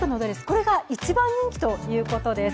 これが一番人気ということです。